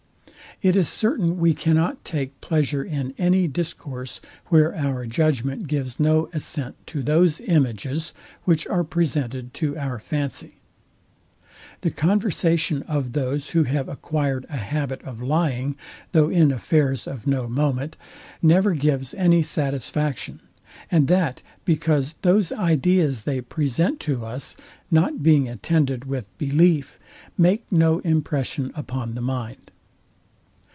It is certain we cannot take pleasure in any discourse, where our judgment gives no assent to those images which are presented to our fancy. The conversation of those who have acquired a habit of lying, though in affairs of no moment, never gives any satisfaction; and that because those ideas they present to us, not being attended with belief, make no impression upon the mind.